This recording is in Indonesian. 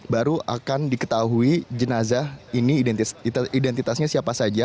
baru akan diketahui jenazah ini identitasnya siapa saja